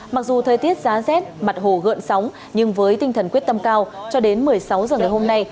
mặc dù thời tiết giá rét mặt hồ gượn sóng nhưng với tinh thần quyết tâm cao cho đến một mươi sáu h ngày hôm nay